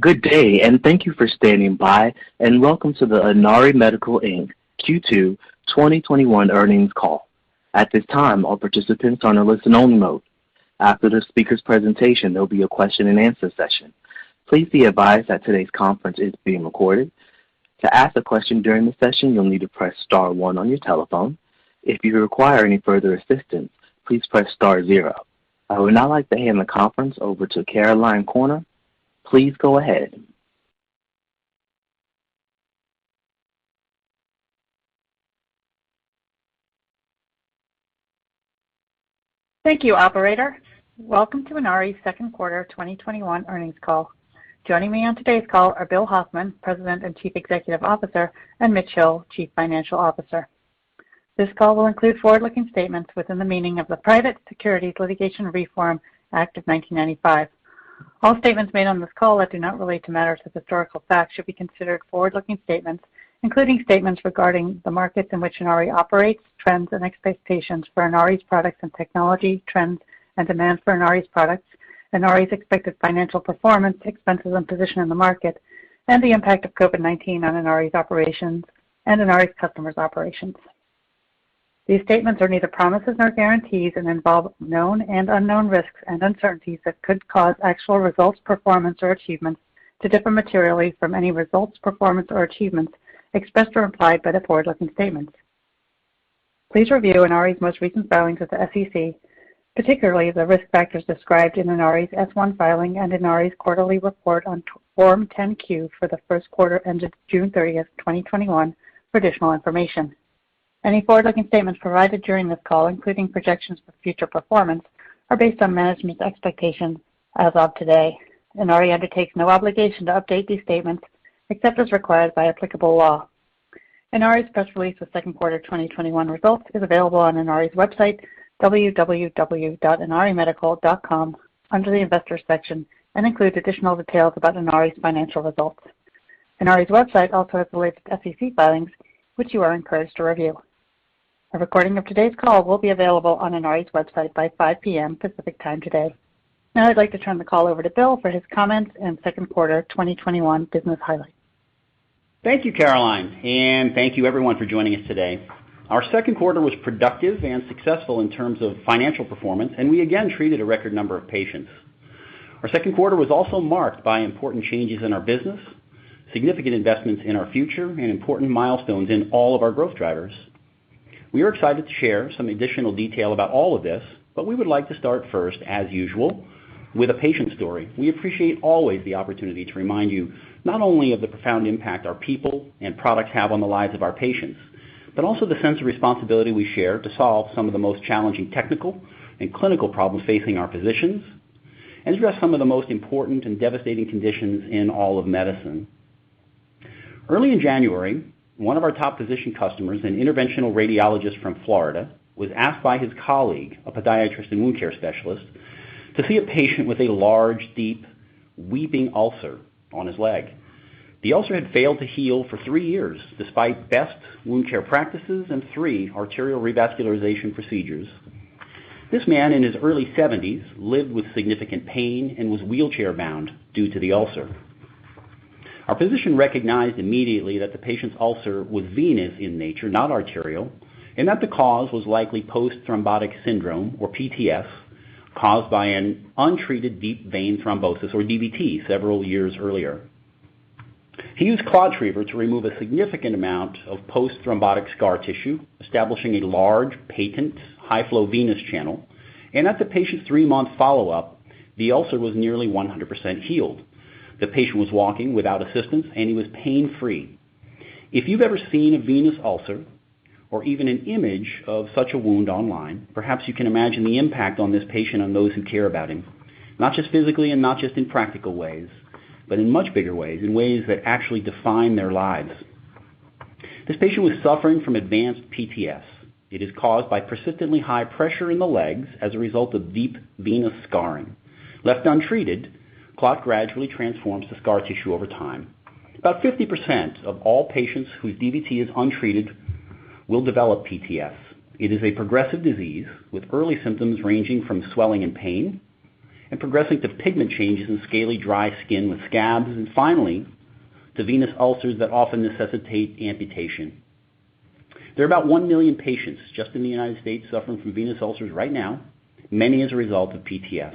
Good day, and thank you for standing by, and welcome to the Inari Medical, Inc. Q2 2021 earnings call. At this time all participants are on an listen-only mode. After the speakers presentation there will be a question and answer session. Please be advised that today conference is being recorded. To ask a question during the session you'll need to press star one on your telephone. If you require any further assistance please press star zero. I would now like to hand the conference over to Caroline Corner. Please go ahead. Thank you, operator. Welcome to Inari's second quarter 2021 earnings call. Joining me on today's call are Bill Hoffman, President and Chief Executive Officer, and Mitch Hill, Chief Financial Officer. This call will include forward-looking statements within the meaning of the Private Securities Litigation Reform Act of 1995. All statements made on this call that do not relate to matters of historical fact should be considered forward-looking statements, including statements regarding the markets in which Inari operates, trends and expectations for Inari's products and technology, trends and demand for Inari's products, Inari's expected financial performance, expenses, and position in the market, and the impact of COVID-19 on Inari's operations and Inari's customers' operations. These statements are neither promises nor guarantees and involve known and unknown risks and uncertainties that could cause actual results, performance, or achievements to differ materially from any results, performance, or achievements expressed or implied by the forward-looking statements. Please review Inari's most recent filings with the SEC, particularly the risk factors described in Inari's S-1 filing and Inari's quarterly report on Form 10-Q for the first quarter ended June 30th, 2021, for additional information. Any forward-looking statements provided during this call, including projections for future performance, are based on management's expectations as of today, and Inari undertakes no obligation to update these statements except as required by applicable law. Inari's press release for second quarter 2021 results is available on Inari's website, www.inarimedical.com, under the investor section and includes additional details about Inari's financial results. Inari's website also has the latest SEC filings, which you are encouraged to review. A recording of today's call will be available on Inari's website by 5:00 P.M. Pacific Time today. I'd like to turn the call over to Bill for his comments and second quarter 2021 business highlights. Thank you, Caroline, and thank you everyone for joining us today. Our second quarter was productive and successful in terms of financial performance, and we again treated a record number of patients. Our second quarter was also marked by important changes in our business, significant investments in our future, and important milestones in all of our growth drivers. We are excited to share some additional detail about all of this, but we would like to start first, as usual, with a patient story. We appreciate always the opportunity to remind you not only of the profound impact our people and products have on the lives of our patients, but also the sense of responsibility we share to solve some of the most challenging technical and clinical problems facing our physicians and address some of the most important and devastating conditions in all of medicine. Early in January, one of our top physician customers, an interventional radiologist from Florida, was asked by his colleague, a podiatrist and wound care specialist, to see a patient with a large, deep, weeping ulcer on his leg. The ulcer had failed to heal for three years, despite best wound care practices and three arterial revascularization procedures. This man, in his early 70s, lived with significant pain and was wheelchair bound due to the ulcer. Our physician recognized immediately that the patient's ulcer was venous in nature, not arterial, and that the cause was likely post-thrombotic syndrome, or PTS, caused by an untreated deep vein thrombosis, or DVT, several years earlier. He used ClotTriever to remove a significant amount of post-thrombotic scar tissue, establishing a large, patent, high-flow venous channel, and at the patient's three-month follow-up, the ulcer was nearly 100% healed. The patient was walking without assistance, and he was pain-free. If you've ever seen a venous ulcer or even an image of such a wound online, perhaps you can imagine the impact on this patient and those who care about him, not just physically and not just in practical ways, but in much bigger ways, in ways that actually define their lives. This patient was suffering from advanced PTS. It is caused by persistently high pressure in the legs as a result of deep venous scarring. Left untreated, clot gradually transforms to scar tissue over time. About 50% of all patients whose DVT is untreated will develop PTS. It is a progressive disease with early symptoms ranging from swelling and pain and progressing to pigment changes and scaly dry skin with scabs, and finally, to venous ulcers that often necessitate amputation. There are about 1 million patients just in the U.S. suffering from venous ulcers right now, many as a result of PTS.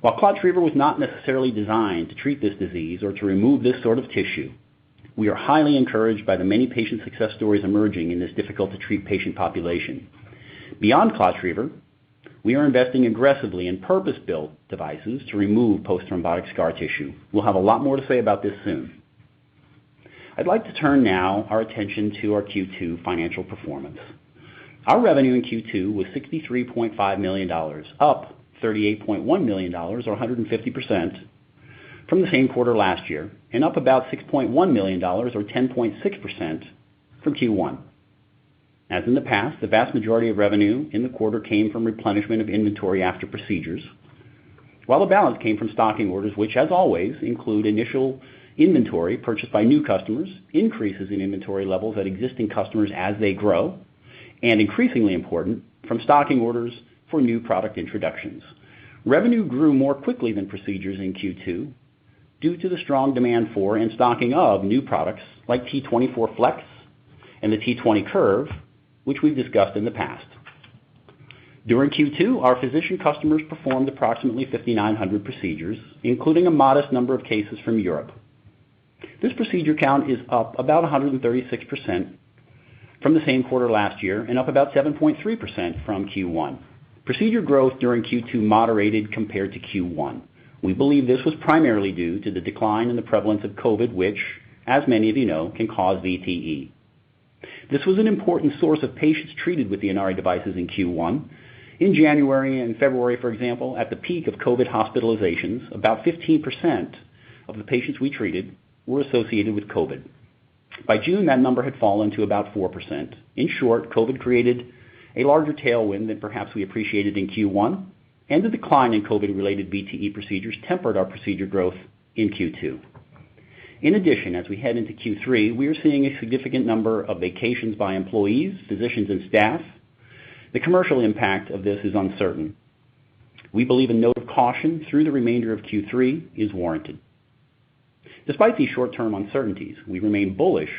While ClotTriever was not necessarily designed to treat this disease or to remove this sort of tissue, we are highly encouraged by the many patient success stories emerging in this difficult to treat patient population. Beyond ClotTriever, we are investing aggressively in purpose-built devices to remove post-thrombotic scar tissue. We'll have a lot more to say about this soon. I'd like to turn now our attention to our Q2 financial performance. Our revenue in Q2 was $63.5 million, up $38.1 million, or 150%, from the same quarter last year, and up about $6.1 million, or 10.6%, from Q1. As in the past, the vast majority of revenue in the quarter came from replenishment of inventory after procedures, while the balance came from stocking orders, which as always, include initial inventory purchased by new customers, increases in inventory levels at existing customers as they grow. Increasingly important, from stocking orders for new product introductions. Revenue grew more quickly than procedures in Q2 due to the strong demand for and stocking of new products like T24 Flex and the T20 Curve, which we've discussed in the past. During Q2, our physician customers performed approximately 5,900 procedures, including a modest number of cases from Europe. This procedure count is up about 136% from the same quarter last year and up about 7.3% from Q1. Procedure growth during Q2 moderated compared to Q1. We believe this was primarily due to the decline in the prevalence of COVID, which, as many of you know, can cause VTE. This was an important source of patients treated with the Inari devices in Q1. In January and February, for example, at the peak of COVID hospitalizations, about 15% of the patients we treated were associated with COVID. By June, that number had fallen to about 4%. In short, COVID created a larger tailwind than perhaps we appreciated in Q1, and the decline in COVID-related VTE procedures tempered our procedure growth in Q2. In addition, as we head into Q3, we are seeing a significant number of vacations by employees, physicians, and staff. The commercial impact of this is uncertain. We believe a note of caution through the remainder of Q3 is warranted. Despite these short-term uncertainties, we remain bullish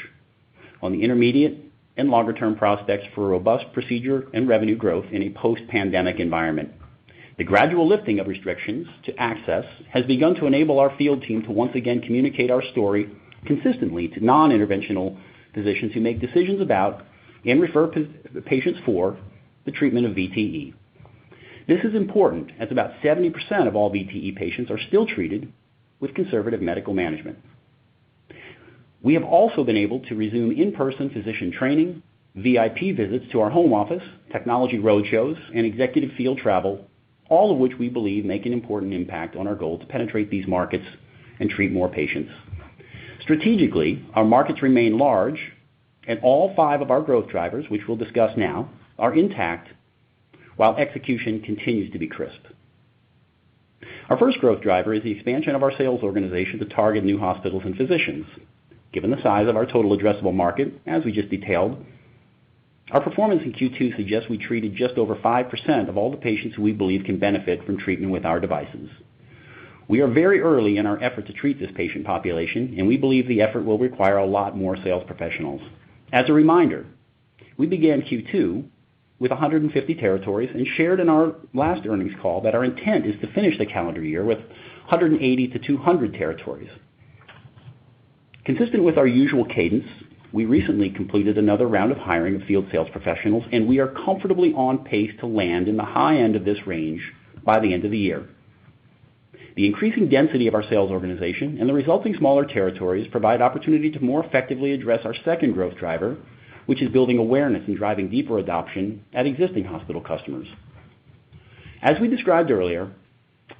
on the intermediate and longer-term prospects for robust procedure and revenue growth in a post-pandemic environment. The gradual lifting of restrictions to access has begun to enable our field team to once again communicate our story consistently to non-interventional physicians who make decisions about and refer patients for the treatment of VTE. This is important, as about 70% of all VTE patients are still treated with conservative medical management. We have also been able to resume in-person physician training, VIP visits to our home office, technology road shows, and executive field travel, all of which we believe make an important impact on our goal to penetrate these markets and treat more patients. Strategically, our markets remain large, and all five of our growth drivers, which we'll discuss now, are intact, while execution continues to be crisp. Our first growth driver is the expansion of our sales organization to target new hospitals and physicians. Given the size of our total addressable market, as we just detailed, our performance in Q2 suggests we treated just over 5% of all the patients who we believe can benefit from treatment with our devices. We are very early in our effort to treat this patient population, and we believe the effort will require a lot more sales professionals. As a reminder, we began Q2 with 150 territories and shared in our last earnings call that our intent is to finish the calendar year with 180 to 200 territories. Consistent with our usual cadence, we recently completed another round of hiring of field sales professionals, and we are comfortably on pace to land in the high end of this range by the end of the year. The increasing density of our sales organization and the resulting smaller territories provide opportunity to more effectively address our second growth driver, which is building awareness and driving deeper adoption at existing hospital customers. As we described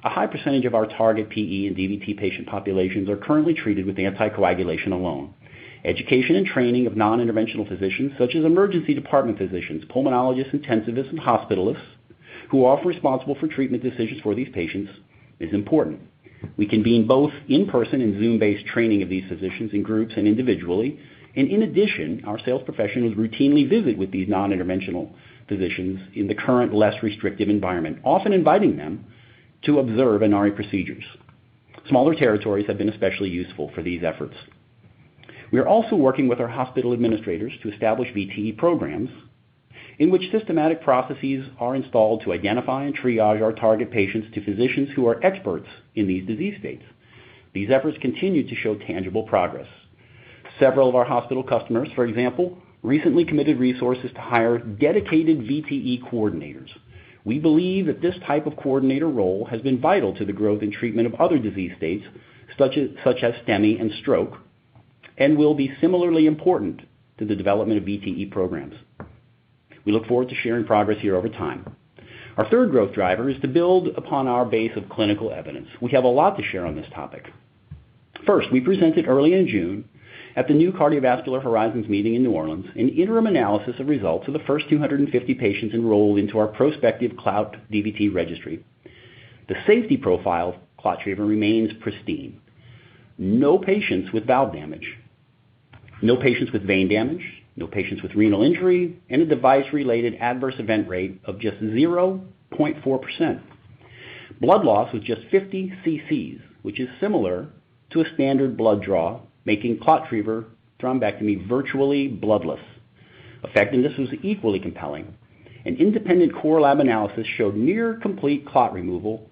earlier, a high percentage of our target PE and DVT patient populations are currently treated with anticoagulation alone. Education and training of non-interventional physicians such as emergency department physicians, pulmonologists, intensivists, and hospitalists who are responsible for treatment decisions for these patients is important. We convene both in-person and Zoom-based training of these physicians in groups and individually, and in addition, our sales professionals routinely visit with these non-interventional physicians in the current, less restrictive environment, often inviting them to observe Inari procedures. Smaller territories have been especially useful for these efforts. We are also working with our hospital administrators to establish VTE programs in which systematic processes are installed to identify and triage our target patients to physicians who are experts in these disease states. These efforts continue to show tangible progress. Several of our hospital customers, for example, recently committed resources to hire dedicated VTE coordinators. We believe that this type of coordinator role has been vital to the growth and treatment of other disease states, such as STEMI and stroke, and will be similarly important to the development of VTE programs. We look forward to sharing progress here over time. Our third growth driver is to build upon our base of clinical evidence. We have a lot to share on this topic. First, we presented early in June at the New Cardiovascular Horizons meeting in New Orleans, an interim analysis of results of the first 250 patients enrolled into our prospective CLOUT DVT registry. The safety profile of ClotTriever remains pristine. No patients with valve damage, no patients with vein damage, no patients with renal injury, and a device-related adverse event rate of just 0.4%. Blood loss was just 50 cc, which is similar to a standard blood draw, making ClotTriever thrombectomy virtually bloodless. Effectiveness was equally compelling. An independent core lab analysis showed near complete clot removal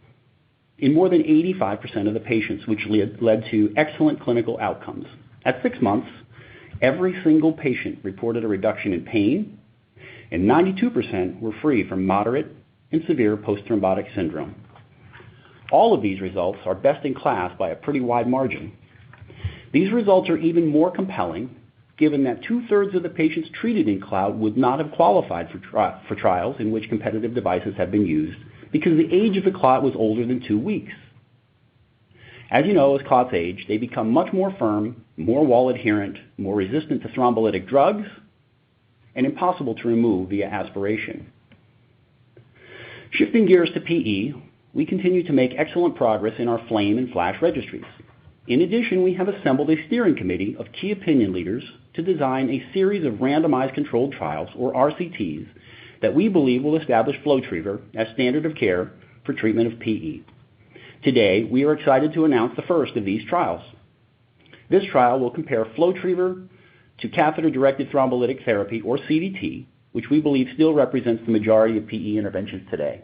in more than 85% of the patients, which led to excellent clinical outcomes. At six months, every single patient reported a reduction in pain, and 92% were free from moderate and severe post-thrombotic syndrome. All of these results are best in class by a pretty wide margin. These results are even more compelling given that two-thirds of the patients treated in CLOUT would not have qualified for trials in which competitive devices have been used because the age of the clot was older than two weeks. As you know, as clots age, they become much more firm, more wall-adherent, more resistant to thrombolytic drugs, and impossible to remove via aspiration. Shifting gears to PE, we continue to make excellent progress in our FLAME and FLASH registries. In addition, we have assembled a steering committee of key opinion leaders to design a series of randomized controlled trials, or RCTs, that we believe will establish FlowTriever as standard of care for treatment of PE. Today, we are excited to announce the first of these trials. This trial will compare FlowTriever to catheter-directed thrombolytic therapy, or CDT, which we believe still represents the majority of PE interventions today.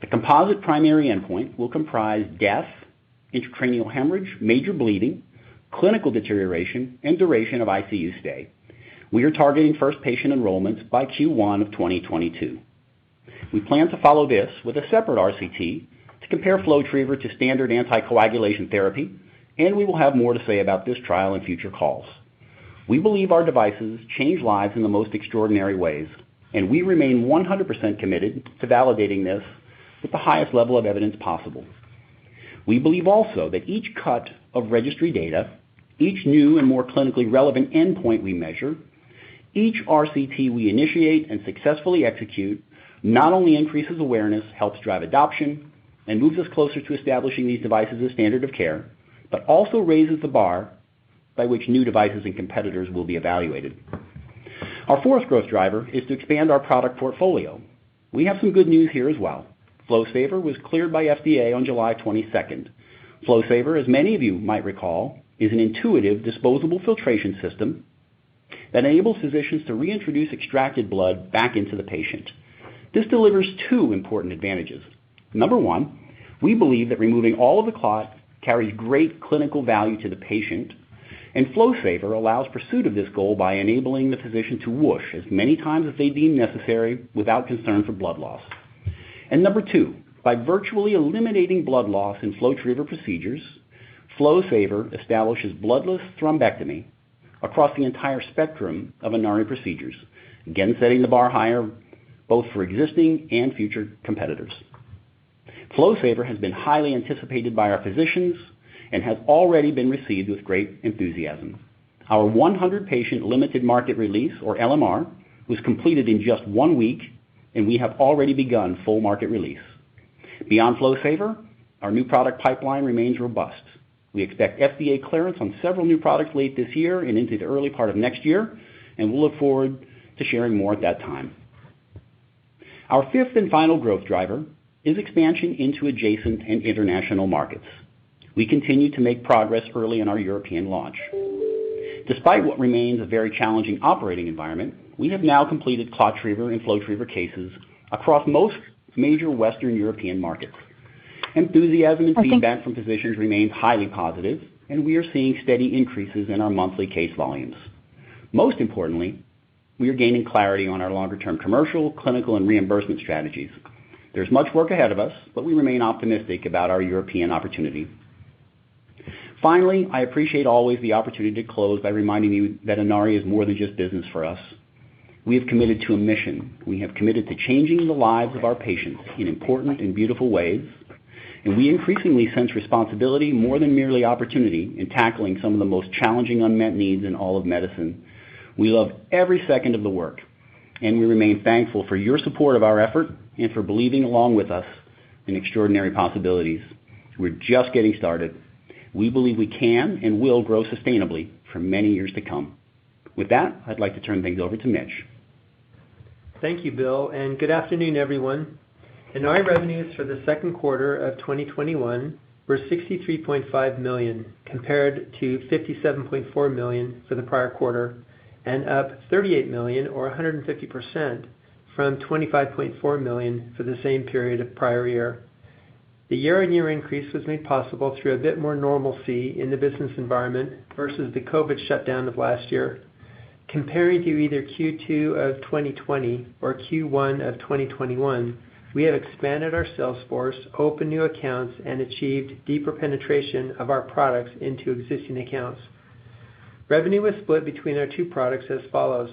The composite primary endpoint will comprise death, intracranial hemorrhage, major bleeding, clinical deterioration, and duration of ICU stay. We are targeting first patient enrollments by Q1 of 2022. We plan to follow this with a separate RCT to compare FlowTriever to standard anticoagulation therapy, and we will have more to say about this trial in future calls. We believe our devices change lives in the most extraordinary ways, and we remain 100% committed to validating this with the highest level of evidence possible. We believe also that each cut of registry data, each new and more clinically relevant endpoint we measure, each RCT we initiate and successfully execute, not only increases awareness, helps drive adoption, and moves us closer to establishing these devices as standard of care, but also raises the bar by which new devices and competitors will be evaluated. Our fourth growth driver is to expand our product portfolio. We have some good news here as well. FlowSaver was cleared by FDA on July 22nd. FlowSaver, as many of you might recall, is an intuitive disposable filtration system that enables physicians to reintroduce extracted blood back into the patient. This delivers two important advantages. Number one, we believe that removing all of the clot carries great clinical value to the patient, and FlowSaver allows pursuit of this goal by enabling the physician to whoosh as many times as they deem necessary without concern for blood loss. Number two, by virtually eliminating blood loss in FlowTriever procedures, FlowSaver establishes bloodless thrombectomy across the entire spectrum of Inari procedures. Again, setting the bar higher both for existing and future competitors. FlowSaver has been highly anticipated by our physicians and has already been received with great enthusiasm. Our 100-patient limited market release, or LMR, was completed in just one week, and we have already begun full market release. Beyond FlowSaver, our new product pipeline remains robust. We expect FDA clearance on several new products late this year and into the early part of next year, and we'll look forward to sharing more at that time. Our fifth and final growth driver is expansion into adjacent and international markets. We continue to make progress early in our European launch. Despite what remains a very challenging operating environment, we have now completed ClotTriever and FlowTriever cases across most major Western European markets. Enthusiasm and feedback from physicians remains highly positive, and we are seeing steady increases in our monthly case volumes. Most importantly, we are gaining clarity on our longer-term commercial, clinical, and reimbursement strategies. There's much work ahead of us, but we remain optimistic about our European opportunity. Finally, I appreciate always the opportunity to close by reminding you that Inari is more than just business for us. We have committed to a mission. We have committed to changing the lives of our patients in important and beautiful ways, and we increasingly sense responsibility more than merely opportunity in tackling some of the most challenging unmet needs in all of medicine. We love every second of the work, and we remain thankful for your support of our effort and for believing along with us in extraordinary possibilities. We're just getting started. We believe we can and will grow sustainably for many years to come. With that, I'd like to turn things over to Mitch. Thank you, Bill, and good afternoon, everyone. Inari revenues for the second quarter of 2021 were $63.5 million compared to $57.4 million for the prior quarter, and up $38 million or 150% from $25.4 million for the same period of prior year. The year-on-year increase was made possible through a bit more normalcy in the business environment versus the COVID shutdown of last year. Comparing to either Q2 of 2020 or Q1 of 2021, we have expanded our sales force, opened new accounts, and achieved deeper penetration of our products into existing accounts. Revenue was split between our two products as follows: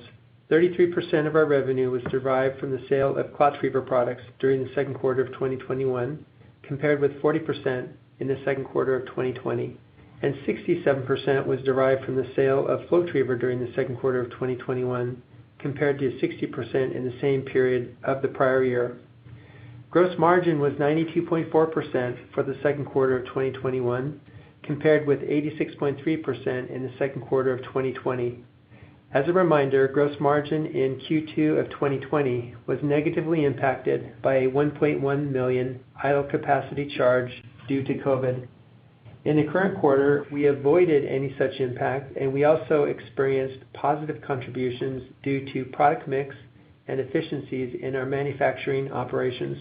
33% of our revenue was derived from the sale of ClotTriever products during the second quarter of 2021, compared with 40% in the second quarter of 2020, and 67% was derived from the sale of FlowTriever during the second quarter of 2021, compared to 60% in the same period of the prior year. Gross margin was 92.4% for the second quarter of 2021, compared with 86.3% in the second quarter of 2020. As a reminder, gross margin in Q2 of 2020 was negatively impacted by a $1.1 million idle capacity charge due to COVID. In the current quarter, we avoided any such impact, and we also experienced positive contributions due to product mix and efficiencies in our manufacturing operations.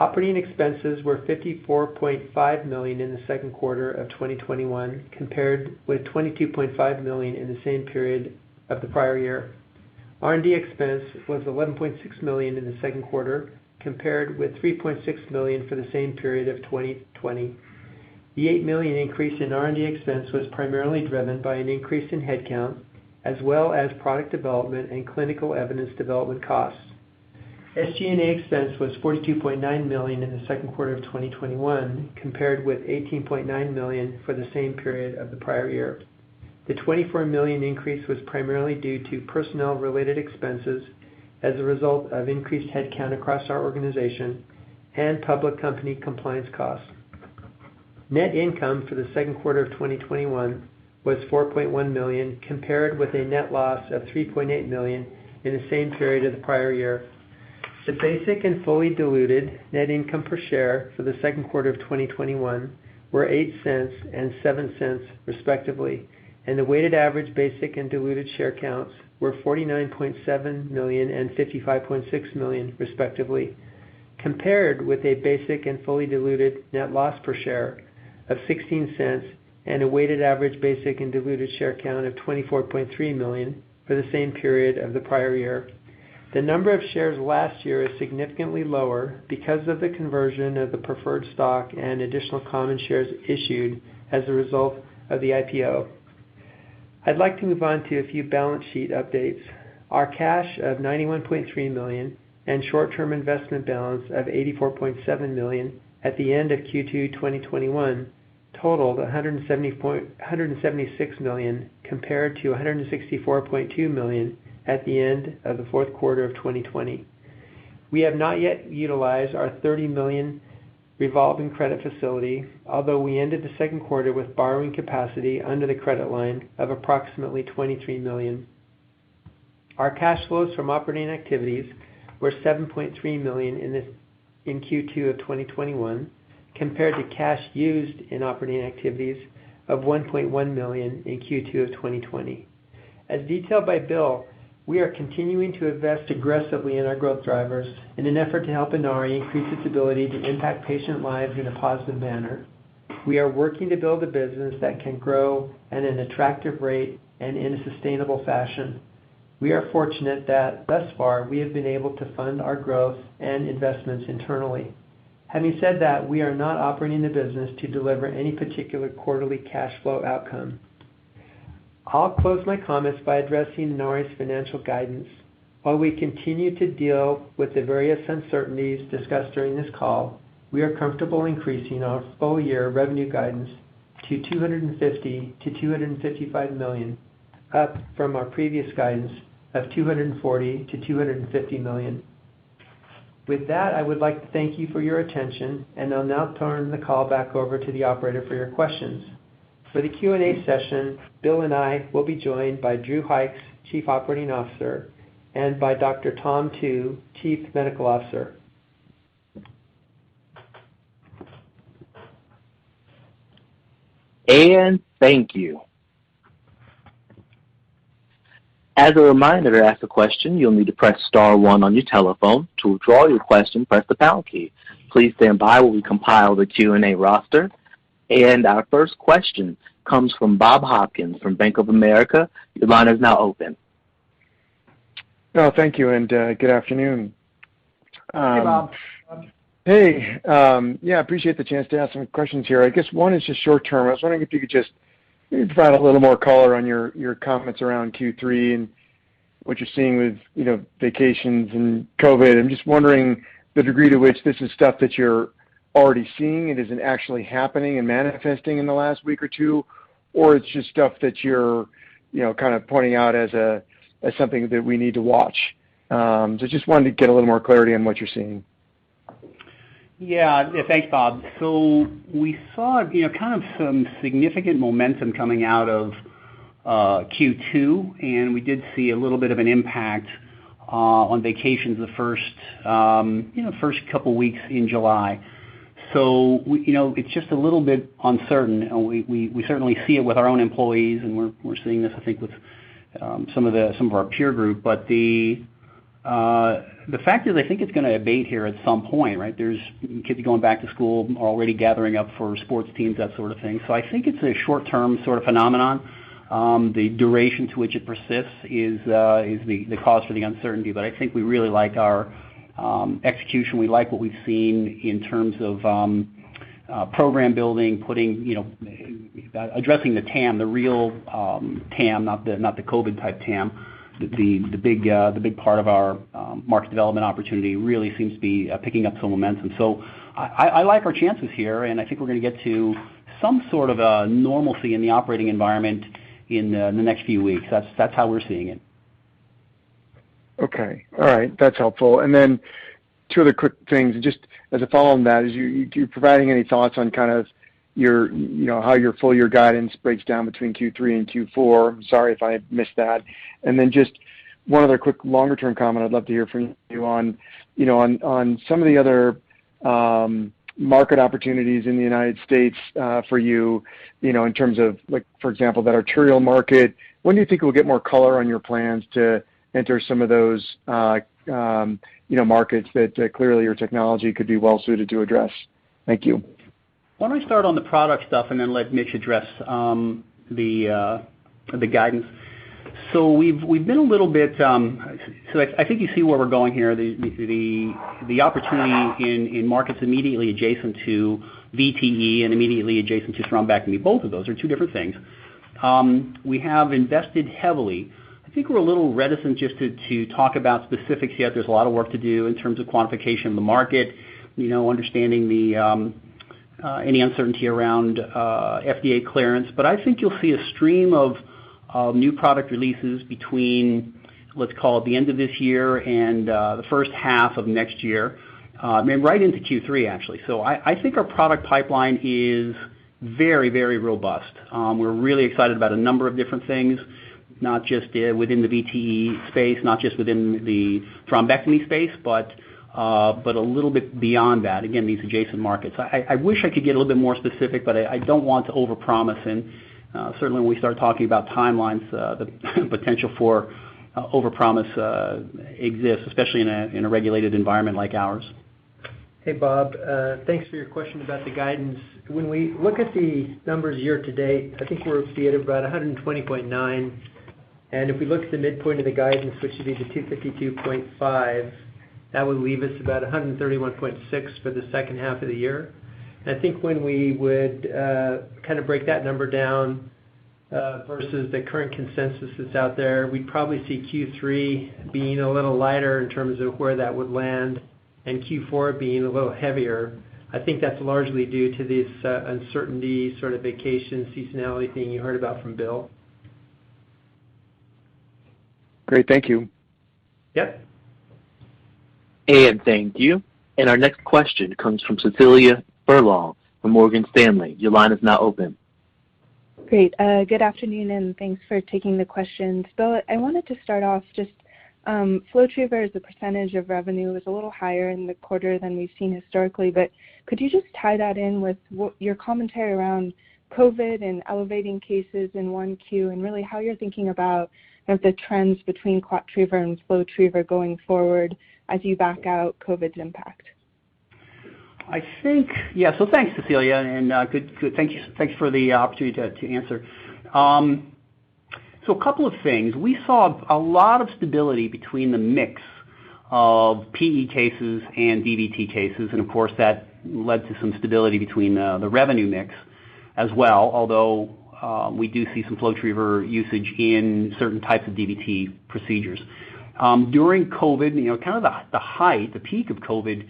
Operating expenses were $54.5 million in the second quarter of 2021, compared with $22.5 million in the same period of the prior year. R&D expense was $11.6 million in the second quarter, compared with $3.6 million for the same period of 2020. The $8 million increase in R&D expense was primarily driven by an increase in headcount, as well as product development and clinical evidence development costs. SG&A expense was $42.9 million in the second quarter of 2021, compared with $18.9 million for the same period of the prior year. The $24 million increase was primarily due to personnel-related expenses as a result of increased headcount across our organization and public company compliance costs. Net income for the second quarter of 2021 was $4.1 million, compared with a net loss of $3.8 million in the same period of the prior year. The basic and fully diluted net income per share for the second quarter of 2021 were $0.08 and $0.07, respectively, and the weighted average basic and diluted share counts were 49.7 million and 55.6 million, respectively, compared with a basic and fully diluted net loss per share of $0.16 and a weighted average basic and diluted share count of 24.3 million for the same period of the prior year. The number of shares last year is significantly lower because of the conversion of the preferred stock and additional common shares issued as a result of the IPO. I'd like to move on to a few balance sheet updates. Our cash of $91.3 million and short-term investment balance of $84.7 million at the end of Q2 2021 totaled $176 million compared to $164.2 million at the end of the fourth quarter of 2020. We have not yet utilized our $30 million revolving credit facility, although we ended the second quarter with borrowing capacity under the credit line of approximately $23 million. Our cash flows from operating activities were $7.3 million in Q2 of 2021 compared to cash used in operating activities of $1.1 million in Q2 of 2020. As detailed by Bill, we are continuing to invest aggressively in our growth drivers in an effort to help Inari increase its ability to impact patient lives in a positive manner. We are working to build a business that can grow at an attractive rate and in a sustainable fashion. We are fortunate that thus far, we have been able to fund our growth and investments internally. Having said that, we are not operating the business to deliver any particular quarterly cash flow outcome. I'll close my comments by addressing Inari's financial guidance. While we continue to deal with the various uncertainties discussed during this call, we are comfortable increasing our full-year revenue guidance to $250 million-$255 million, up from our previous guidance of $240 million-$250 million. With that, I would like to thank you for your attention, and I'll now turn the call back over to the operator for your questions. For the Q&A session, Bill and I will be joined by Drew Hykes, Chief Operating Officer, and by Dr. Tom Tu, Chief Medical Officer. Thank you. As a reminder, to ask a question, you'll need to press star one on your telephone. To withdraw your question, press the pound key. Please stand by while we compile the Q&A roster. Our first question comes from Bob Hopkins from Bank of America. Your line is now open. Oh, thank you. Good afternoon. Hey, Bob. Hey. Yeah, appreciate the chance to ask some questions here. I guess one is just short-term. I was wondering if you could just maybe provide a little more color on your comments around Q3 and what you're seeing with vacations and COVID. I'm just wondering the degree to which this is stuff that you're already seeing and isn't actually happening and manifesting in the last week or two, or it's just stuff that you're kind of pointing out as something that we need to watch. I just wanted to get a little more clarity on what you're seeing. Yeah. Thanks, Bob. We saw kind of some significant momentum coming out of Q2, and we did see a little bit of an impact on vacations the first couple weeks in July. It's just a little bit uncertain. We certainly see it with our own employees, and we're seeing this, I think, with some of our peer group. The fact is, I think it's going to abate here at some point, right? There's kids going back to school, already gathering up for sports teams, that sort of thing. I think it's a short-term sort of phenomenon. The duration to which it persists is the cause for the uncertainty. I think we really like our execution. We like what we've seen in terms of program building, addressing the TAM, the real TAM, not the COVID-type TAM. The big part of our market development opportunity really seems to be picking up some momentum. I like our chances here, and I think we're going to get to some sort of a normalcy in the operating environment in the next few weeks. That's how we're seeing it. Okay. All right. That's helpful. Two other quick things, just as a follow on that. Are you providing any thoughts on how your full-year guidance breaks down between Q3 and Q4? Sorry if I missed that. Just one other quick longer-term comment I'd love to hear from you on. On some of the other market opportunities in the United States for you, in terms of, for example, that arterial market, when do you think we'll get more color on your plans to enter some of those markets that clearly your technology could be well suited to address? Thank you. Why don't I start on the product stuff and then let Mitch address the guidance? I think you see where we're going here. The opportunity in markets immediately adjacent to VTE and immediately adjacent to thrombectomy, both of those are two different things. We have invested heavily. I think we're a little reticent just to talk about specifics yet. There's a lot of work to do in terms of quantification of the market, understanding any uncertainty around FDA clearance. I think you'll see a stream of new product releases between, let's call it, the end of this year and the first half of next year. Right into Q3, actually. I think our product pipeline is very robust. We're really excited about a number of different things, not just within the VTE space, not just within the thrombectomy space, but a little bit beyond that, again, these adjacent markets. I wish I could get a little bit more specific, but I don't want to overpromise. Certainly, when we start talking about timelines, the potential for overpromise exists, especially in a regulated environment like ours. Hey, Bob. Thanks for your question about the guidance. When we look at the numbers year-to-date, I think we're at about $120.9. If we look at the midpoint of the guidance, which would be the $252.5, that would leave us about $131.6 for the second half of the year. I think when we would break that number down versus the current consensus that's out there, we'd probably see Q3 being a little lighter in terms of where that would land and Q4 being a little heavier. I think that's largely due to this uncertainty sort of vacation seasonality thing you heard about from Bill. Great. Thank you. Yep. Thank you. Our next question comes from Cecilia Furlong from Morgan Stanley. Your line is now open. Great. Good afternoon, thanks for taking the questions. Bill, I wanted to start off just, FlowTriever as a percentage of revenue was a little higher in the quarter than we've seen historically, could you just tie that in with what your commentary around COVID and elevating cases in Q1, really how you're thinking about sort of the trends between ClotTriever and FlowTriever going forward as you back out COVID's impact? I think, yeah. Thanks, Cecilia, and thanks for the opportunity to answer. A couple of things. We saw a lot of stability between the mix of PE cases and DVT cases, and of course, that led to some stability between the revenue mix as well, although we do see some FlowTriever usage in certain types of DVT procedures. During COVID, kind of the height, the peak of COVID,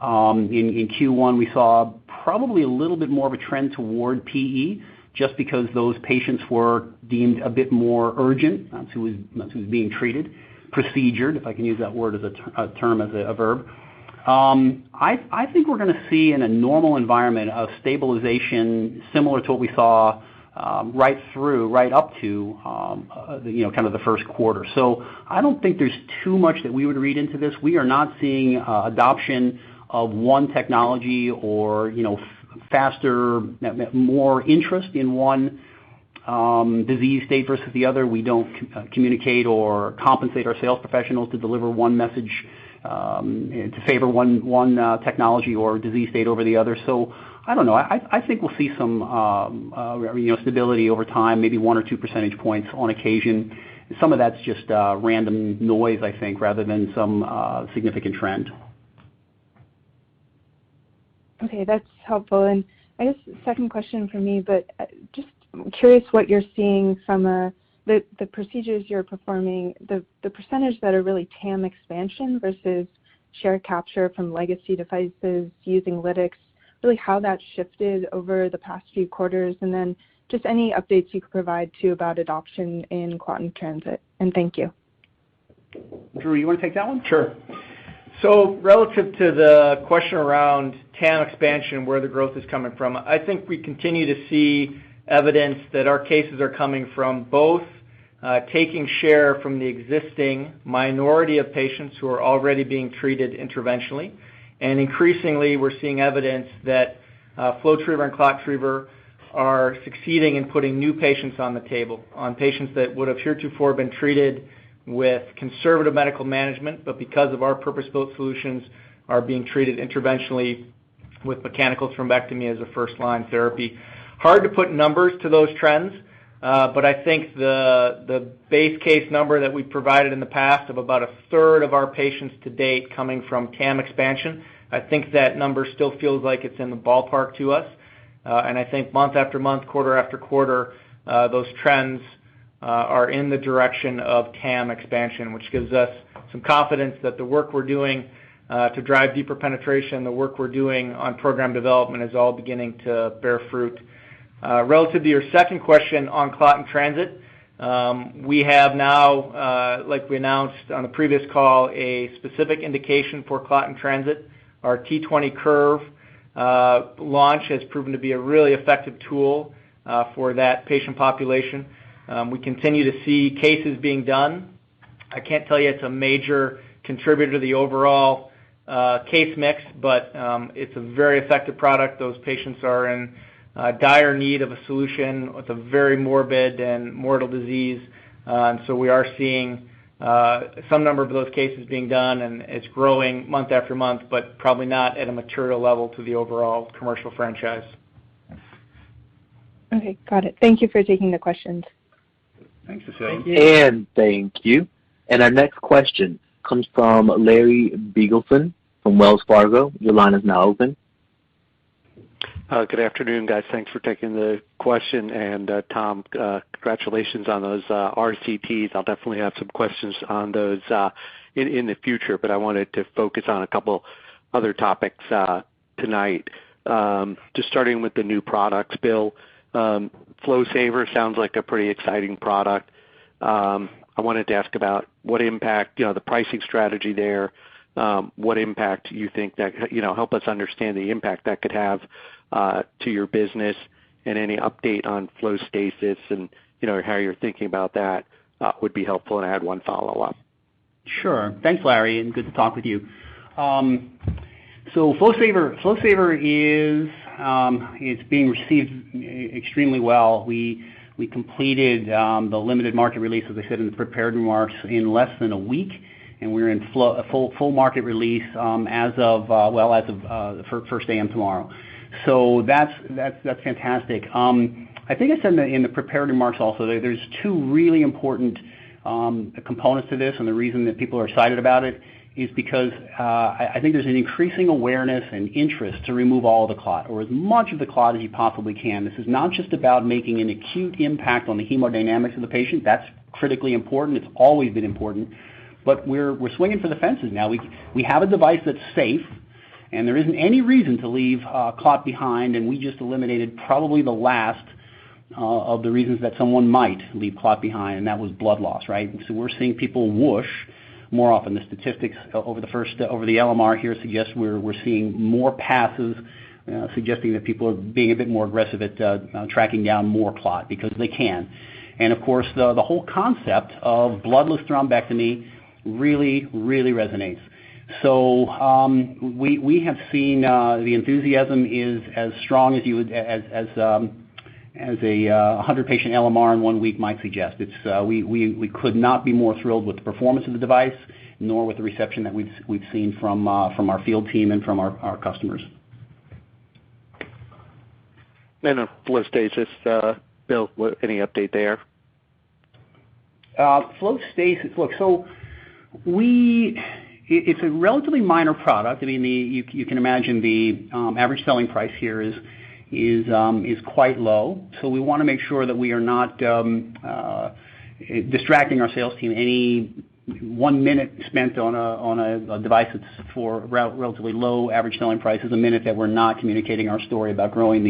in Q1, we saw probably a little bit more of a trend toward PE just because those patients were deemed a bit more urgent, as who was being treated, procedured, if I can use that word as a term, as a verb. I think we're going to see in a normal environment a stabilization similar to what we saw right through, right up to kind of the first quarter. I don't think there's too much that we would read into this. We are not seeing adoption of one technology or faster, more interest in one disease state versus the other. We don't communicate or compensate our sales professionals to deliver one message to favor one technology or disease state over the other. I don't know. I think we'll see some stability over time, maybe one or two percentage points on occasion. Some of that's just random noise, I think, rather than some significant trend. Okay. That's helpful. I guess the second question from me, just curious what you're seeing from the procedures you're performing, the percentage that are really TAM expansion versus share capture from legacy devices using lytics, really how that shifted over the past few quarters. Just any updates you could provide, too, about adoption in Clot-in-Transit. Thank you. Drew, you want to take that one? Sure. Relative to the question around TAM expansion, where the growth is coming from, I think we continue to see evidence that our cases are coming from both taking share from the existing minority of patients who are already being treated interventionally. Increasingly, we're seeing evidence that FlowTriever and ClotTriever are succeeding in putting new patients on the table, on patients that would have heretofore been treated with conservative medical management, but because of our purpose-built solutions, are being treated interventionally with mechanical thrombectomy as a first-line therapy. Hard to put numbers to those trends, but I think the base case number that we provided in the past of about a third of our patients to date coming from TAM expansion, I think that number still feels like it's in the ballpark to us. I think month-after-month, quarter-after-quarter, those trends are in the direction of TAM expansion, which gives us some confidence that the work we're doing to drive deeper penetration, the work we're doing on program development is all beginning to bear fruit. Relative to your second question on Clot-in-Transit, we have now, like we announced on the previous call, a specific indication for Clot-in-Transit. Our T20 Curve launch has proven to be a really effective tool for that patient population. We continue to see cases being done. I can't tell you it's a major contributor to the overall case mix, but it's a very effective product. Those patients are in dire need of a solution with a very morbid and mortal disease. We are seeing some number of those cases being done, and it's growing month after month, but probably not at a material level to the overall commercial franchise. Okay, got it. Thank you for taking the questions. Thanks, Cecilia. Thank you. Our next question comes from Larry Biegelsen from Wells Fargo. Your line is now open. Good afternoon, guys. Thanks for taking the question. Tom, congratulations on those RCTs. I'll definitely have some questions on those in the future, but I wanted to focus on a couple other topics tonight. Just starting with the new products, Bill. FlowSaver sounds like a pretty exciting product. I wanted to ask about the pricing strategy there, help us understand the impact that could have to your business, and any update on FlowStasis and how you're thinking about that would be helpful. I had one follow-up. Sure. Thanks, Larry, and good to talk with you. FlowSaver is being received extremely well. We completed the limited market release, as I said in the prepared remarks, in less than a week, and we're in full market release as of first A.M. tomorrow. That's fantastic. I think I said in the prepared remarks also, there's two really important components to this, and the reason that people are excited about it is because I think there's an increasing awareness and interest to remove all the clot or as much of the clot as you possibly can. This is not just about making an acute impact on the hemodynamics of the patient. That's critically important. It's always been important. We're swinging for the fences now. We have a device that's safe, there isn't any reason to leave clot behind, we just eliminated probably the last of the reasons that someone might leave clot behind, and that was blood loss, right? We're seeing people whoosh more often. The statistics over the LMR here suggest we're seeing more passes, suggesting that people are being a bit more aggressive at tracking down more clot because they can. Of course, the whole concept of bloodless thrombectomy really, really resonates. We have seen the enthusiasm is as strong as a 100-patient LMR in one week might suggest. We could not be more thrilled with the performance of the device, nor with the reception that we've seen from our field team and from our customers. On FlowStasis, Bill, any update there? FlowStasis. It's a relatively minor product. You can imagine the average selling price here is quite low. We want to make sure that we are not distracting our sales team. Any one minute spent on a device that's for relatively low average selling price is a minute that we're not communicating our story about growing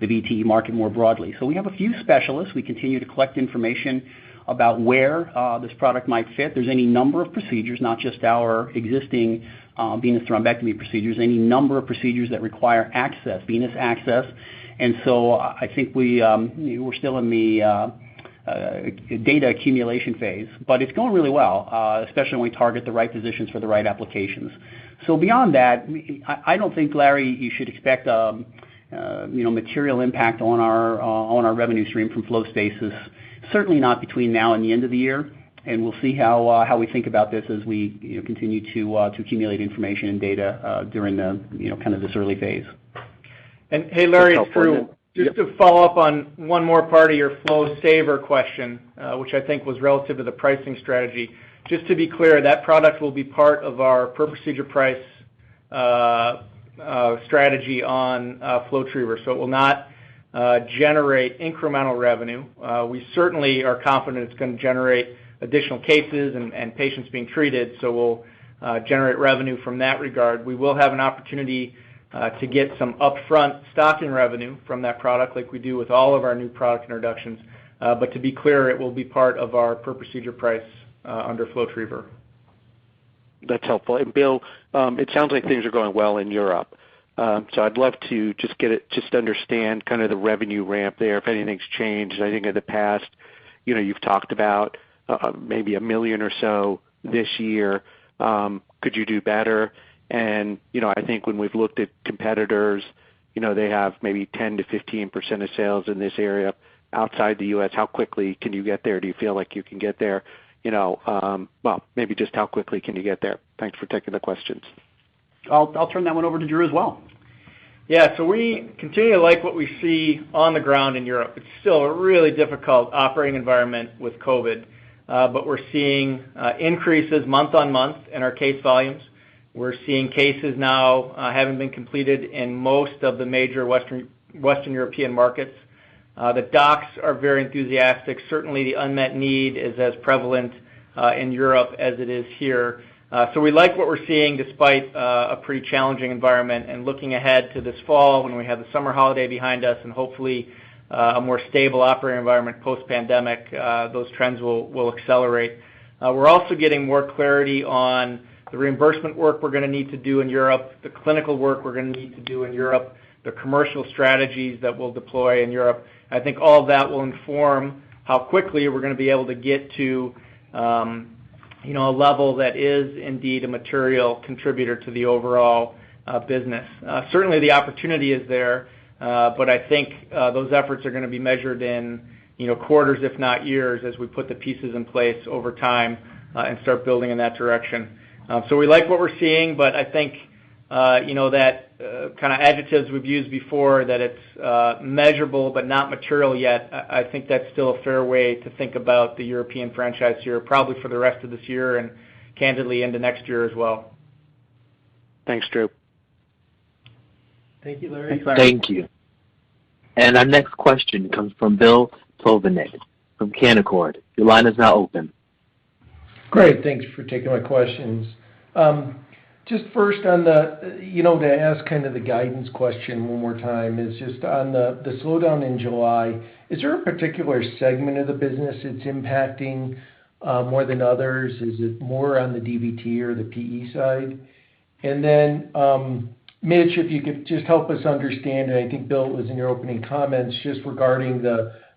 the VT market more broadly. We have a few specialists. We continue to collect information about where this product might fit. There's any number of procedures, not just our existing venous thrombectomy procedures, any number of procedures that require venous access. I think we're still in the data accumulation phase, but it's going really well, especially when we target the right physicians for the right applications. Beyond that, I don't think, Larry, you should expect material impact on our revenue stream from FlowStasis, certainly not between now and the end of the year. We'll see how we think about this as we continue to accumulate information and data during this early phase. Hey, Larry, it's Drew. Yep. Just to follow up on one more part of your FlowSaver question, which I think was relative to the pricing strategy. Just to be clear, that product will be part of our per-procedure price strategy on FlowTriever, so it will not generate incremental revenue. We certainly are confident it's going to generate additional cases and patients being treated. We'll generate revenue from that regard. We will have an opportunity to get some upfront stocking revenue from that product like we do with all of our new product introductions. To be clear, it will be part of our per-procedure price under FlowTriever. That's helpful. Bill, it sounds like things are going well in Europe. I'd love to just understand the revenue ramp there, if anything's changed. I think in the past, you've talked about maybe $1 million or so this year. Could you do better? I think when we've looked at competitors, they have maybe 10%-15% of sales in this area outside the U.S. How quickly can you get there? Do you feel like you can get there? Well, maybe just how quickly can you get there? Thanks for taking the questions. I'll turn that one over to Drew as well. Yeah. We continue to like what we see on the ground in Europe. It's still a really difficult operating environment with COVID. We're seeing increases month-on-month in our case volumes. We're seeing cases now having been completed in most of the major Western European markets. The docs are very enthusiastic. The unmet need is as prevalent in Europe as it is here. We like what we're seeing despite a pretty challenging environment. Looking ahead to this fall when we have the summer holiday behind us and hopefully a more stable operating environment post-pandemic, those trends will accelerate. We're also getting more clarity on the reimbursement work we're going to need to do in Europe, the clinical work we're going to need to do in Europe, the commercial strategies that we'll deploy in Europe. I think all of that will inform how quickly we're going to be able to get to a level that is indeed a material contributor to the overall business. Certainly, the opportunity is there. I think those efforts are going to be measured in quarters, if not years, as we put the pieces in place over time and start building in that direction. We like what we're seeing, but I think that kind of adjectives we've used before, that it's measurable but not material yet, I think that's still a fair way to think about the European franchise here, probably for the rest of this year and candidly into next year as well. Thanks, Drew. Thank you, Larry. Thank you. Our next question comes from Bill Plovanic from Canaccord. Your line is now open. Great. Thanks for taking my questions. To ask kind of the guidance question one more time on the slowdown in July, is there a particular segment of the business it's impacting more than others? Is it more on the DVT or the PE side? Then Mitch, if you could just help us understand, and I think Bill, it was in your opening comments, just regarding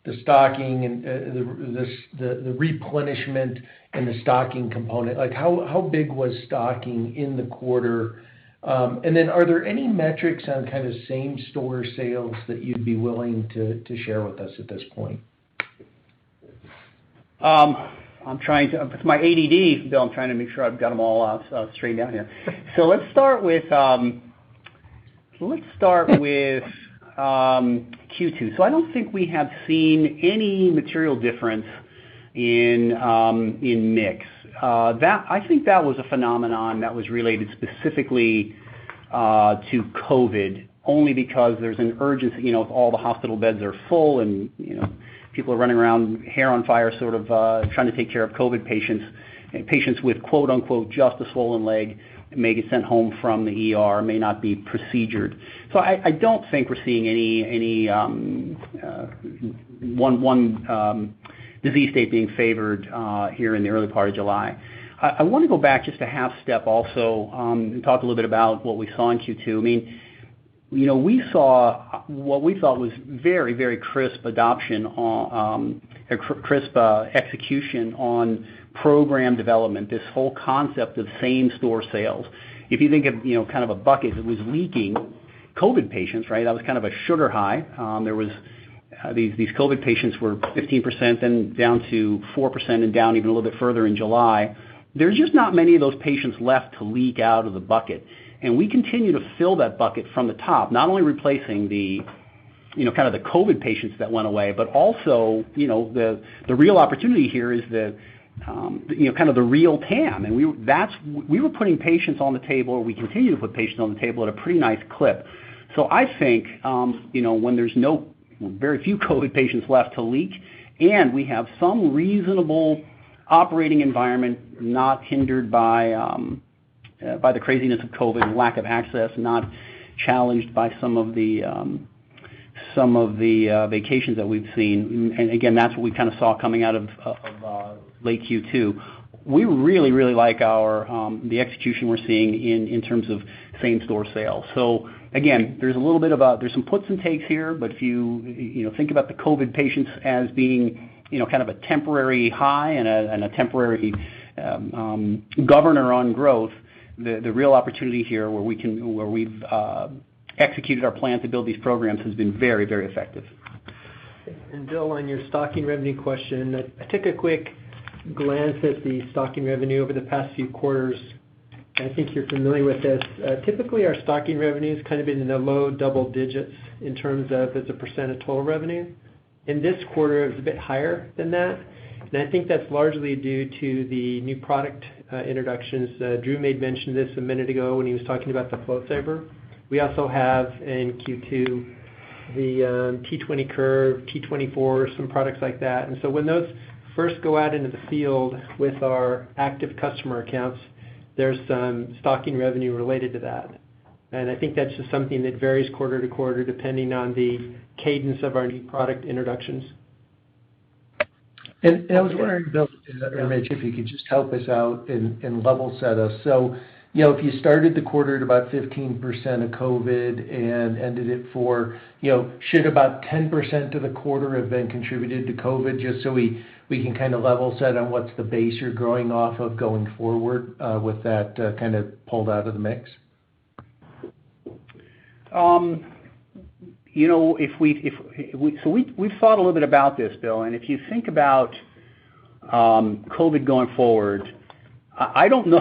the stocking and the replenishment and the stocking component. How big was stocking in the quarter? Then are there any metrics on kind of same store sales that you'd be willing to share with us at this point? With my ADD, Bill, I'm trying to make sure I've got them all straight down here. Let's start with Q2. I don't think we have seen any material difference in mix. I think that was a phenomenon that was related specifically to COVID, only because there's an urgency, if all the hospital beds are full and people are running around hair on fire sort of trying to take care of COVID patients with "just a swollen leg" may get sent home from the ER, may not be procedured. I don't think we're seeing any one disease state being favored here in the early part of July. I want to go back just a half step also, and talk a little bit about what we saw in Q2. What we saw was very crisp adoption, crisp execution on program development, this whole concept of same store sales. If you think of a bucket that was leaking COVID patients, right? That was kind of a sugar high. These COVID patients were 15%, then down to 4%, and down even a little bit further in July. There's just not many of those patients left to leak out of the bucket. We continue to fill that bucket from the top, not only replacing the COVID patients that went away, but also, the real opportunity here is the real TAM. We were putting patients on the table, or we continue to put patients on the table at a pretty nice clip. I think, when there's very few COVID patients left to leak, and we have some reasonable operating environment not hindered by the craziness of COVID, lack of access, not challenged by some of the vacations that we've seen. Again, that's what we kind of saw coming out of late Q2. We really like the execution we're seeing in terms of same store sales. Again, there's some puts and takes here, but if you think about the COVID patients as being kind of a temporary high and a temporary governor on growth, the real opportunity here where we've executed our plan to build these programs has been very effective. Bill, on your stocking revenue question, I took a quick glance at the stocking revenue over the past few quarters, and I think you're familiar with this. Typically, our stocking revenue's kind of been in the low double digits in terms of as a percent of total revenue. In this quarter, it was a bit higher than that, and I think that's largely due to the new product introductions. Drew may have mentioned this a minute ago when he was talking about the FlowSaver. We also have in Q2 the T20 Curve, T24, some products like that. When those first go out into the field with our active customer accounts, there's some stocking revenue related to that. I think that's just something that varies quarter-to-quarter, depending on the cadence of our new product introductions. I was wondering, Bill, or Mitch, if you could just help us out and level set us. If you started the quarter at about 15% of COVID and ended at 4%, should about 10% of the quarter have been contributed to COVID, just so we can kind of level set on what's the base you're growing off of going forward with that kind of pulled out of the mix? We've thought a little bit about this, Bill, and if you think about COVID going forward, I don't know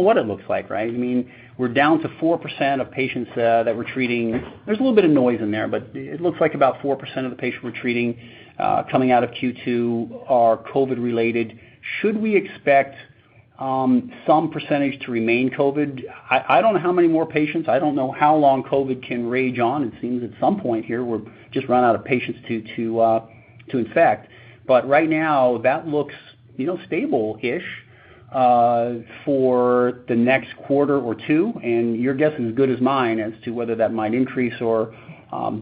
what it looks like, right? We're down to 4% of patients that we're treating. There's a little bit of noise in there, but it looks like about 4% of the patients we're treating coming out of Q2 are COVID related. Should we expect some percentage to remain COVID? I don't know how many more patients. I don't know how long COVID can rage on. It seems at some point here, we'll just run out of patients to infect. Right now, that looks stable-ish for the next quarter or two, and your guess is as good as mine as to whether that might increase or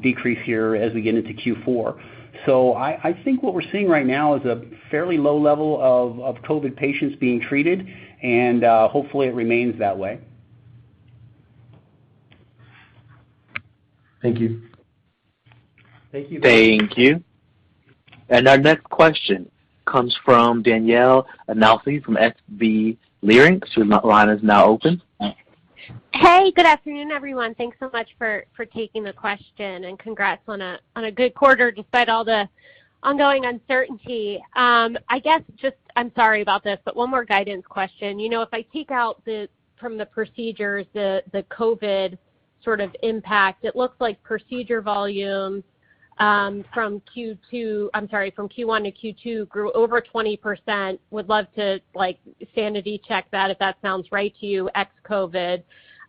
decrease here as we get into Q4. I think what we're seeing right now is a fairly low level of COVID patients being treated, and hopefully it remains that way. Thank you. Thank you. Thank you. Our next question comes from Danielle Antalffy from SVB Leerink. Your line is now open. Hey, good afternoon, everyone. Thanks so much for taking the question and congrats on a good quarter despite all the ongoing uncertainty. I guess just, I'm sorry about this, one more guidance question. If I take out from the procedures, the COVID sort of impact, it looks like procedure volume from Q1 to Q2 grew over 20%. Would love to sanity check that if that sounds right to you, ex-COVID.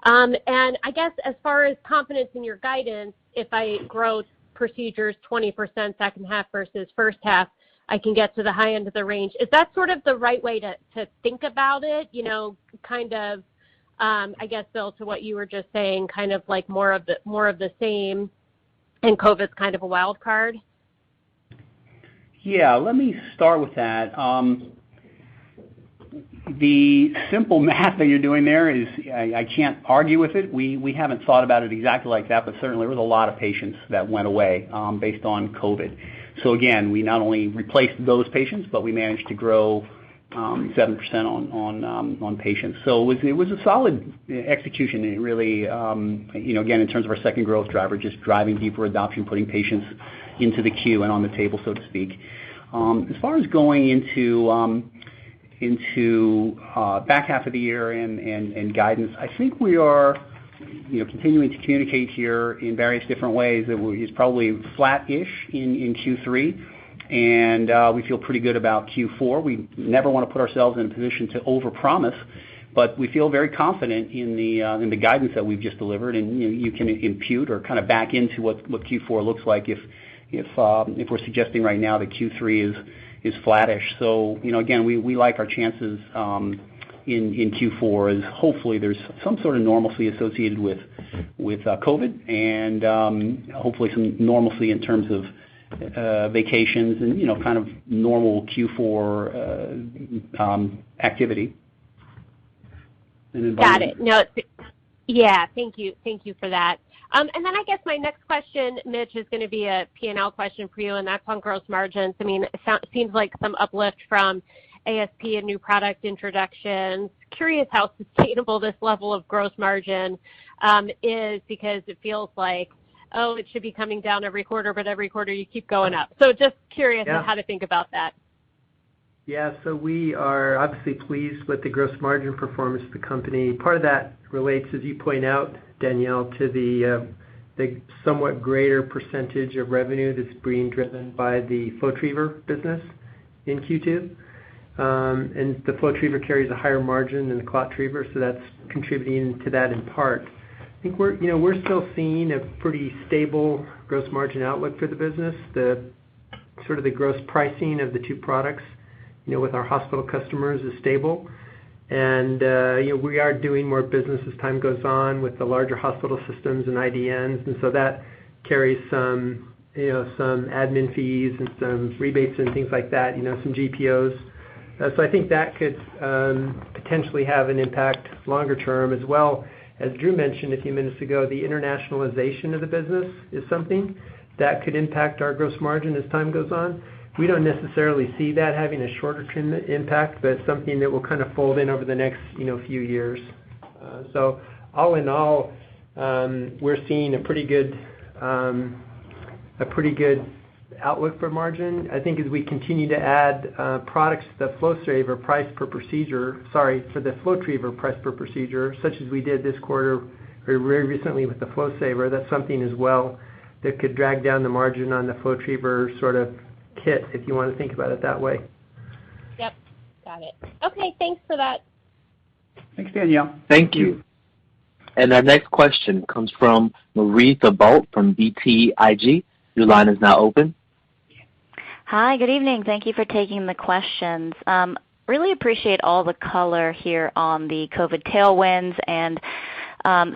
I guess as far as confidence in your guidance, if I growth procedures 20% second half versus first half, I can get to the high end of the range. Is that sort of the right way to think about it? I guess, Bill, to what you were just saying, like more of the same and COVID's kind of a wild card? Yeah, let me start with that. The simple math that you're doing there is, I can't argue with it. We haven't thought about it exactly like that, but certainly there was a lot of patients that went away based on COVID. Again, we not only replaced those patients, but we managed to grow 7% on patients. It was a solid execution really, again, in terms of our second growth driver, just driving deeper adoption, putting patients into the queue and on the table, so to speak. As far as going into back half of the year and guidance, I think we are continuing to communicate here in various different ways that we're probably flat-ish in Q3, and we feel pretty good about Q4. We never want to put ourselves in a position to overpromise, but we feel very confident in the guidance that we've just delivered, and you can impute or kind of back into what Q4 looks like if we're suggesting right now that Q3 is flat-ish. Again, we like our chances in Q4, as hopefully there's some sort of normalcy associated with COVID and hopefully some normalcy in terms of vacations and kind of normal Q4 activity. Got it. Yeah. Thank you for that. I guess my next question, Mitch, is going to be a P&L question for you, and that's on gross margins. It seems like some uplift from ASP and new product introductions. I am curious how sustainable this level of gross margin is because it feels like, oh, it should be coming down every quarter, but every quarter you keep going up. Just curious- Yeah... on how to think about that. Yeah. We are obviously pleased with the gross margin performance of the company. Part of that relates, as you point out, Danielle, to the somewhat greater percentage of revenue that's being driven by the FlowTriever business in Q2. The FlowTriever carries a higher margin than the ClotTriever, so that's contributing to that in part. I think we're still seeing a pretty stable gross margin outlook for the business. The sort of the gross pricing of the two products with our hospital customers is stable. We are doing more business as time goes on with the larger hospital systems and IDNs, that carries some admin fees and some rebates and things like that, some GPOs. I think that could potentially have an impact longer term as well. As Drew mentioned a few minutes ago, the internationalization of the business is something that could impact our gross margin as time goes on. We don't necessarily see that having a shorter-term impact, but it's something that will kind of fold in over the next few years. All in all, we're seeing a pretty good outlook for margin. I think as we continue to add products to the FlowSaver price per procedure, sorry, to the FlowTriever price per procedure, such as we did this quarter very recently with the FlowSaver, that's something as well that could drag down the margin on the FlowTriever sort of kit, if you want to think about it that way. Yep. Got it. Okay, thanks for that. Thanks, Danielle. Thank you. Our next question comes from Marie Thibault from BTIG. Your line is now open. Hi, good evening. Thank you for taking the questions. Really appreciate all the color here on the COVID tailwinds and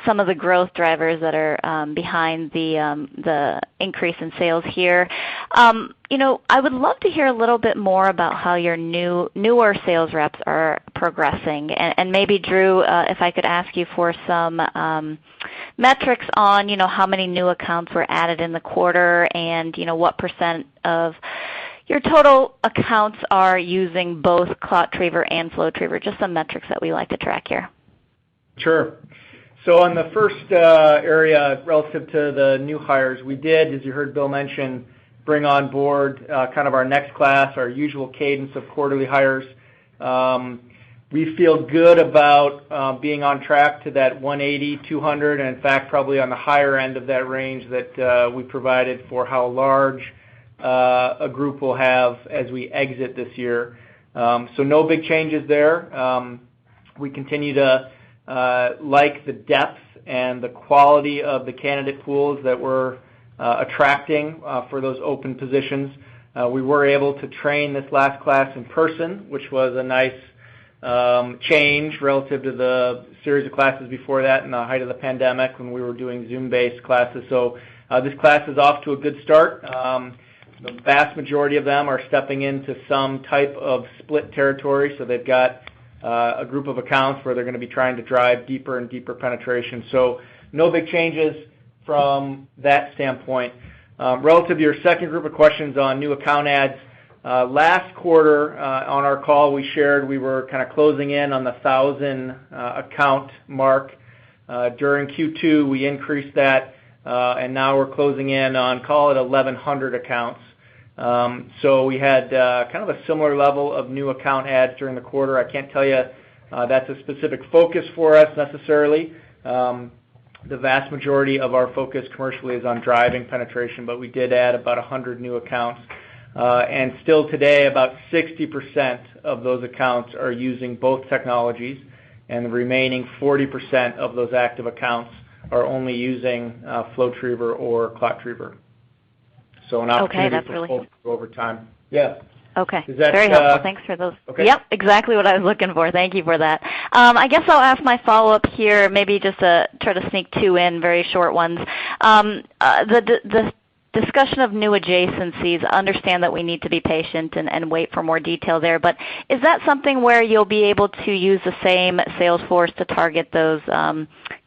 some of the growth drivers that are behind the increase in sales here. I would love to hear a little bit more about how your newer sales reps are progressing. Maybe Drew, if I could ask you for some metrics on how many new accounts were added in the quarter and what percent of your total accounts are using both ClotTriever and FlowTriever. Just some metrics that we like to track here. Sure. On the first area relative to the new hires, we did, as you heard Bill mention, bring on board kind of our next class, our usual cadence of quarterly hires. We feel good about being on track to that 180-200, and in fact, probably on the higher end of that range that we provided for how large a group we'll have as we exit this year. No big changes there. We continue to like the depth and the quality of the candidate pools that we're attracting for those open positions. We were able to train this last class in person, which was a nice change relative to the series of classes before that in the height of the pandemic when we were doing Zoom-based classes. This class is off to a good start. The vast majority of them are stepping into some type of split territory. They've got a group of accounts where they're going to be trying to drive deeper and deeper penetration. No big changes from that standpoint. Relative to your second group of questions on new account adds, last quarter on our call, we shared we were kind of closing in on the 1,000 account mark. During Q2, we increased that, and now we're closing in on call it 1,100 accounts. We had kind of a similar level of new account adds during the quarter. I can't tell you if that's a specific focus for us necessarily. The vast majority of our focus commercially is on driving penetration, but we did add about 100 new accounts. Still today, about 60% of those accounts are using both technologies, and the remaining 40% of those active accounts are only using FlowTriever or ClotTriever. An opportunity- Okay, that's-... over time. Yeah. Okay. Is that- Very helpful. Thanks for those. Okay. Yep, exactly what I was looking for. Thank you for that. I guess I'll ask my follow-up here, maybe just to try to sneak two in, very short ones. The discussion of new adjacencies, understand that we need to be patient and wait for more detail there, is that something where you'll be able to use the same sales force to target those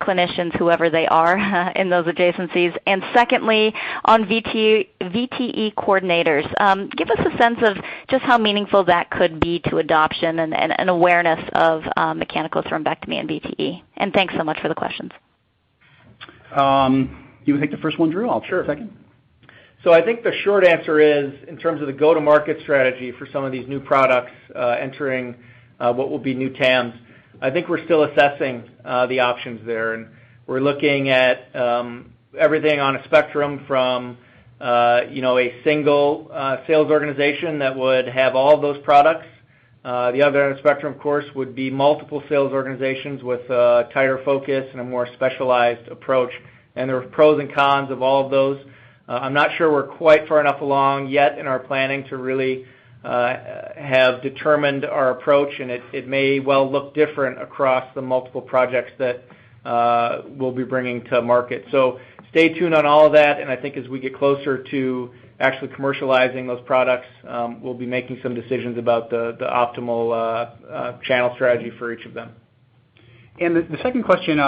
clinicians, whoever they are, in those adjacencies? Secondly, on VTE coordinators, give us a sense of just how meaningful that could be to adoption and awareness of mechanical thrombectomy and VTE. Thanks so much for the questions. You want to take the first one, Drew? I'll take the second. Sure. I think the short answer is, in terms of the go-to-market strategy for some of these new products entering what will be new TAMs, I think we're still assessing the options there. We're looking at everything on a spectrum from a single sales organization that would have all of those products. The other end of the spectrum, of course, would be multiple sales organizations with a tighter focus and a more specialized approach. There are pros and cons of all of those. I'm not sure we're quite far enough along yet in our planning to really have determined our approach, and it may well look different across the multiple projects that we'll be bringing to market. Stay tuned on all of that, and I think as we get closer to actually commercializing those products, we'll be making some decisions about the optimal channel strategy for each of them. The second question,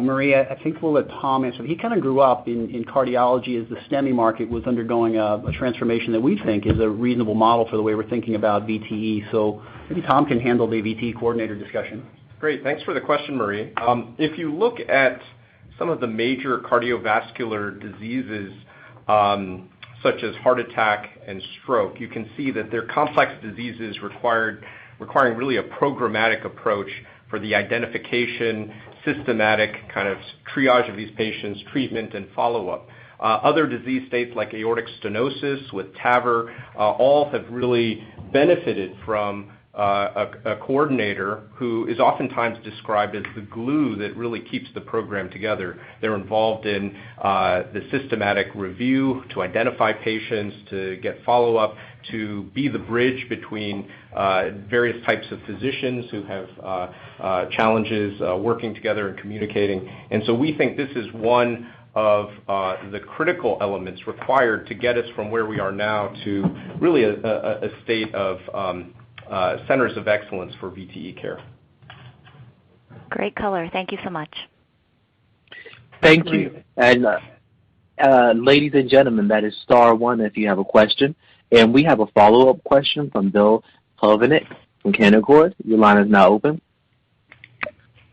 Marie, I think we'll let Tom answer. He kind of grew up in cardiology as the STEMI market was undergoing a transformation that we think is a reasonable model for the way we're thinking about VTE. Maybe Tom can handle the VTE coordinator discussion. Great. Thanks for the question, Marie. If you look at some of the major cardiovascular diseases, such as heart attack and stroke, you can see that they're complex diseases requiring really a programmatic approach for the identification, systematic kind of triage of these patients, treatment, and follow-up. Other disease states like aortic stenosis with TAVR, all have really benefited from a coordinator who is oftentimes described as the glue that really keeps the program together. They're involved in the systematic review to identify patients, to get follow-up, to be the bridge between various types of physicians who have challenges working together and communicating. We think this is one of the critical elements required to get us from where we are now to really a state of centers of excellence for VTE care. Great color. Thank you so much. Thank you. Great. Ladies and gentlemen, that is star one if you have a question. We have a follow-up question from Bill Plovanic from Canaccord. Your line is now open.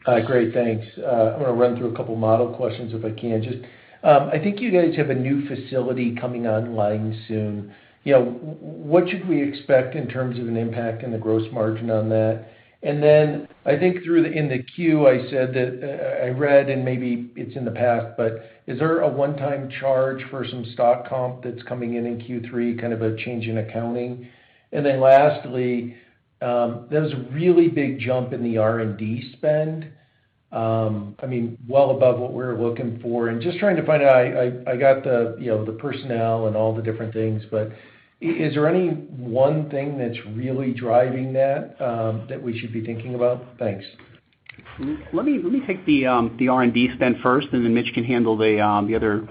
Hi. Great. Thanks. I'm going to run through a couple of model questions if I can. I think you guys have a new facility coming online soon. What should we expect in terms of an impact on the gross margin on that? I think in the 10-Q, I read, and maybe it's in the past, but is there a one-time charge for some stock comp that's coming in in Q3, kind of a change in accounting? Lastly, there was a really big jump in the R&D spend. Well above what we were looking for. Just trying to find out, I got the personnel and all the different things, but is there any one thing that's really driving that we should be thinking about? Thanks. Let me take the R&D spend first, and then Mitch can handle the other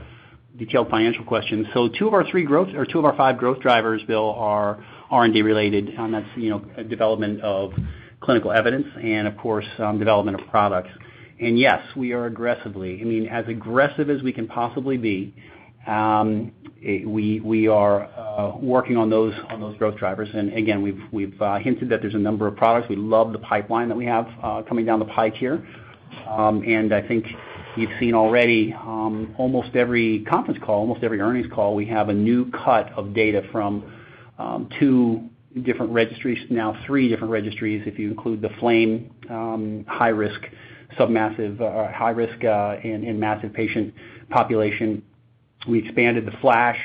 detailed financial questions. Two of our five growth drivers, Bill, are R&D related, and that's development of clinical evidence and, of course, development of products. Yes, we are aggressively, as aggressive as we can possibly be, we are working on those growth drivers. Again, we've hinted that there's a number of products. We love the pipeline that we have coming down the pike here. I think you've seen already, almost every conference call, almost every earnings call, we have a new cut of data from two different registries, now three different registries, if you include the FLAME high risk and massive patient population. We expanded the FLASH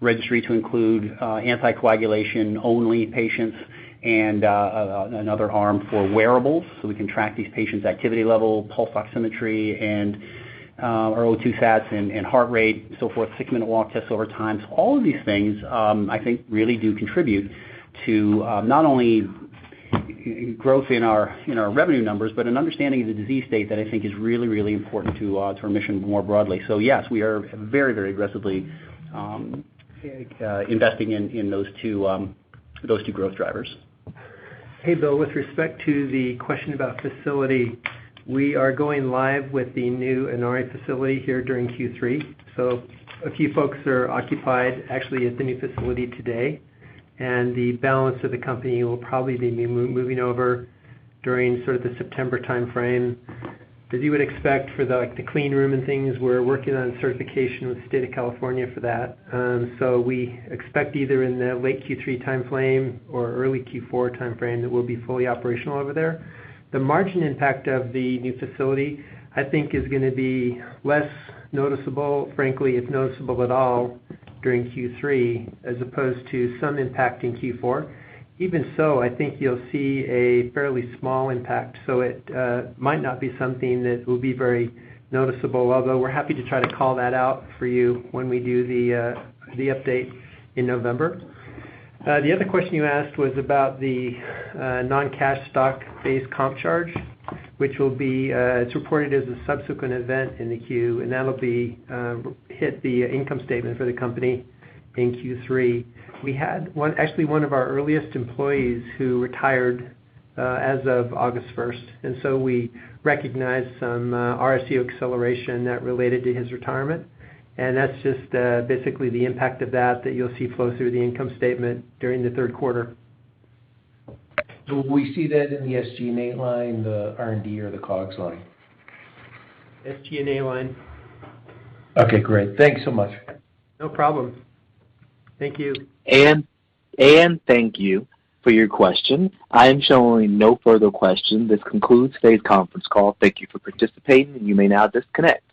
registry to include anticoagulation-only patients and another arm for wearables, so we can track these patients' activity level, pulse oximetry, and our O2 sats and heart rate, so forth, six-minute walk tests over time. All of these things, I think really do contribute to not only growth in our revenue numbers, but an understanding of the disease state that I think is really, really important to our mission more broadly. Yes, we are very, very aggressively investing in those two growth drivers. Hey, Bill, with respect to the question about facility, we are going live with the new Inari Medical facility here during Q3. A few folks are occupied actually at the new facility today, and the balance of the company will probably be moving over during sort of the September timeframe. As you would expect for the clean room and things, we're working on certification with the state of California for that. We expect either in the late Q3 timeframe or early Q4 timeframe that we'll be fully operational over there. The margin impact of the new facility, I think is going to be less noticeable, frankly, if noticeable at all, during Q3, as opposed to some impact in Q4. Even so, I think you'll see a fairly small impact. It might not be something that will be very noticeable, although we are happy to try to call that out for you when we do the update in November. The other question you asked was about the non-cash stock-based comp charge, which it is reported as a subsequent event in the 10-Q, and that will hit the income statement for the company in Q3. We had actually one of our earliest employees who retired as of August 1st, and so we recognized some RSU acceleration that related to his retirement, and that is just basically the impact of that that you will see flow through the income statement during the third quarter. Will we see that in the SG&A line, the R&D, or the COGS line? SG&A line. Okay, great. Thanks so much. No problem. Thank you. Thank you for your question. I am showing no further questions. This concludes today's conference call. Thank you for participating, and you may now disconnect.